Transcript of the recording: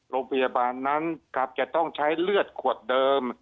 โรงพยาบาลนั้นครับจะต้องใช้เลือดขวดเดิม